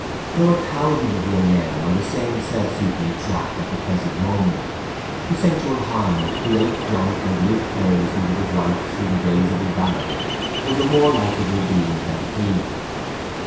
There were thousands of young men on the same self seeking track at the present moment. The sensual hind who ate, drank, and lived carelessly with his wife through the days of his vanity was a more likable being than he.